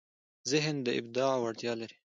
ذهن د ابداع وړتیا لري.